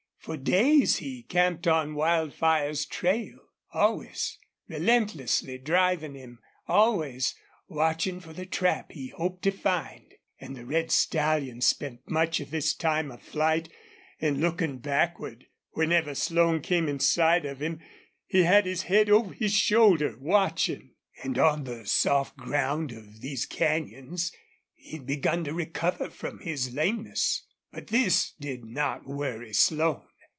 For days he camped on Wildfire's trail, always relentlessly driving him, always watching for the trap he hoped to find. And the red stallion spent much of this time of flight in looking backward. Whenever Slone came in sight of him he had his head over his shoulder, watching. And on the soft ground of these canyons he had begun to recover from his lameness. But this did not worry Slone.